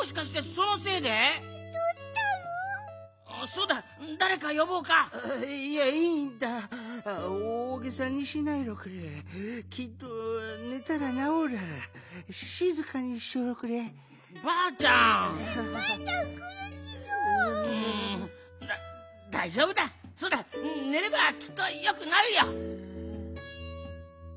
そうだねればきっとよくなるよ。